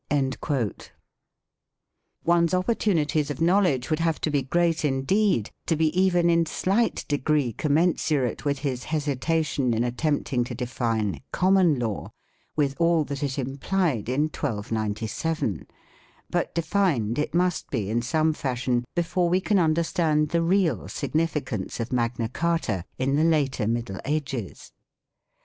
3 One's opportunities of knowledge would have to be great indeed to be even in slight degree commensurate with his hesitation in attempting to define " common law " with all that it implied in 1297, but defined it must be in some fashion before we can understand the real significance of Magna Carta in the later Middle Ages.